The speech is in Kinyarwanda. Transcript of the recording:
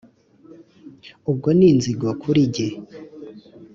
uwo ni inzigo kuli jye